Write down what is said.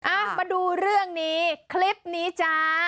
อ่ะมาดูเรื่องนี้คลิปนี้จ้า